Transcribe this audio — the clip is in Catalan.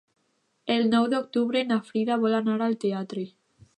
El nou d'octubre na Frida vol anar al teatre.